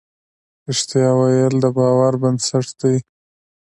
رښتيا ويل د باور بنسټ دی.